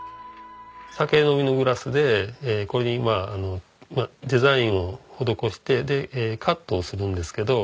酒飲みのグラスでこれにまあデザインを施してカットをするんですけど。